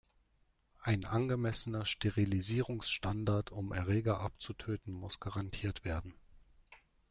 Ein angemessener Sterilisierungsstandard, um Erreger abzutöten, muss garantiert werden.